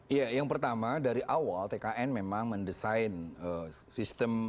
iya yang pertama dari awal tkn memang mendesain sistem